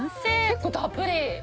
結構たっぷり！